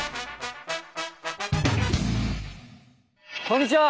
こんにちは。